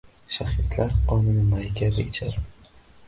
Shahidlar qonini may kabi ichar.